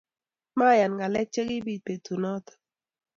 Mayan ngalek che kibit betunoto